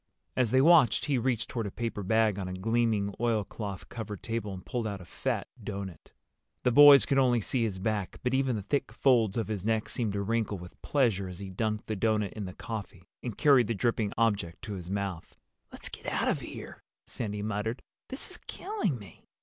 As they watched he reached toward a paper bag on a gleaming oilcloth covered table and pulled out a fat doughnut. The boys could only see his back, but even the thick folds of his neck seemed to wrinkle with pleasure as he dunked the doughnut in the coffee and carried the dripping object to his mouth. "Let's get out of here," Sandy muttered. "This is killing me."